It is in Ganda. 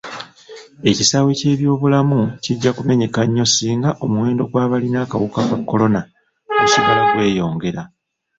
Ekisaawe ky'ebyobulamu kijja kumenyeka nnyo singa omuwendo gw'abalina akawuka ka kolona gusigala gweyongera.